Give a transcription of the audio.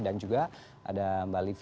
dan juga ada mbak livi